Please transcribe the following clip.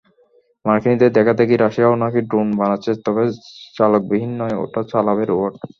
মার্কিনিদের দেখাদেখি রাশিয়াও নাকি ড্রোন বানাচ্ছে, তবে চালকবিহীন নয়—ওটা চালাবে রোবট।